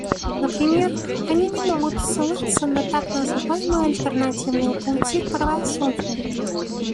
Например, они не могут ссылаться на так называемые альтернативные пути к правосудию.